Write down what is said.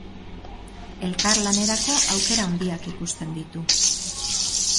Elkarlanerako aukera handiak ikusten ditu.